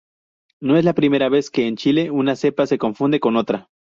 No es la primera vez que en Chile una cepa se confunde con otra.